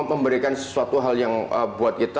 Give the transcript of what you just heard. memberikan sesuatu hal yang buat kita